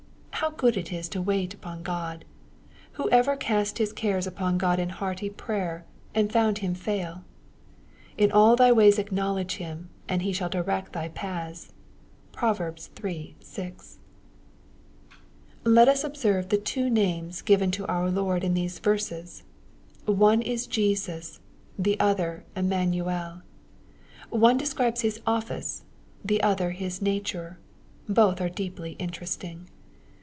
How good it is to wait upon God I Who ever cast his cares upon God in hearty prayer^ and found him fail ?'^ In all thy ways acknowledge Him, and He shall direct thy paths." (Prov. iii. 6.) Let us observe the two names given to our Lord in these verses. One is Jesus : the other Emmanuel. One de« scribes His office ; the other His nature. Both are deeply interesting.